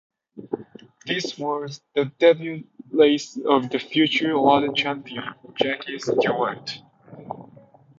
This was the debut race of the future world champion Jackie Stewart.